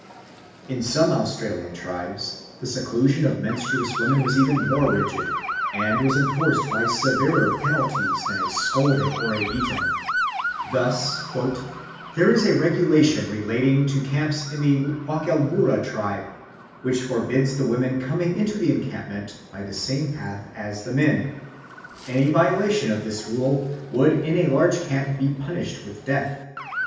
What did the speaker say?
In some Australian tribes the seclusion of menstruous women was even more rigid, and was enforced by severer penalties than a scolding or a beating. Thus "there is a regulation relating to camps in the Wakelbura tribe which forbids the women coming into the encampment by the same path as the men. Any violation of this rule would in a large camp be punished with death.